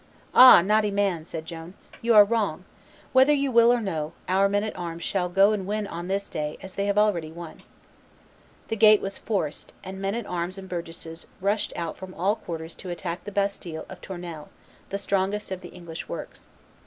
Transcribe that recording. "Ah! naughty man," said Joan, "you are wrong; whether you will or no, our men at arms shall go and win on this day as they have already won." The gate was forced; and men at arms and burgesses rushed out from all quarters to attack the bastille of Tournelles, the strongest of the English works.